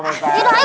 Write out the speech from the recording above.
yaudah liburin bos